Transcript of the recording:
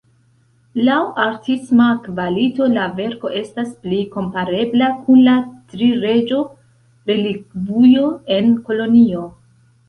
Laŭ artisma kvalito la verko estas pli komparebla kun la Tri-Reĝo-Relikvujo en Kolonjo.